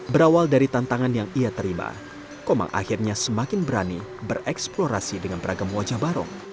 berawal dari tantangan yang ia terima komang akhirnya semakin berani bereksplorasi dengan beragam wajah barong